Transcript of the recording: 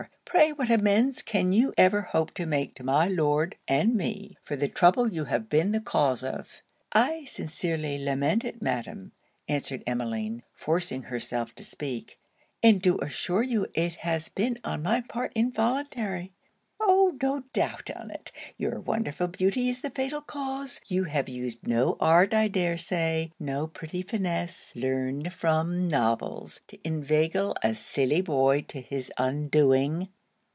Pray what amends can you ever hope to make to my Lord, and me, for the trouble you have been the cause of?' 'I sincerely lament it, Madam,' answered Emmeline, forcing herself to speak; 'and do assure you it has been on my part involuntary.' 'Oh, no doubt on't. Your wonderful beauty is the fatal cause. You have used no art, I dare say; no pretty finesse, learned from novels, to inveigle a silly boy to his undoing.'